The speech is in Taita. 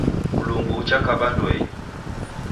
Mlungu uchakaba ndoenyi.